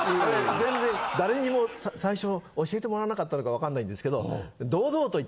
全然誰にも最初教えてもらわなかったのかわかんないんですけど。